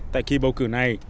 tại khi bầu cử này